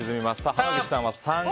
濱口さんは３。